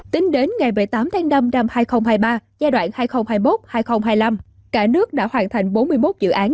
tính đến ngày một mươi tám tháng năm năm hai nghìn hai mươi ba giai đoạn hai nghìn hai mươi một hai nghìn hai mươi năm cả nước đã hoàn thành bốn mươi một dự án